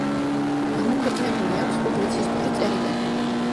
გამოქვეყნებული აქვს პუბლიცისტური წერილები.